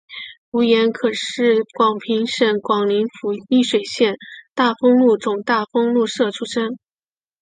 吴廷可是广平省广宁府丽水县大丰禄总大丰禄社出生。